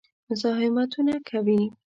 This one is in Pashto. مزاحمتونه کوي.